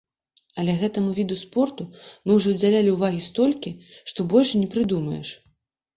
Але гэтаму віду спорту мы ўжо ўдзялілі ўвагі столькі, што больш і не прыдумаеш.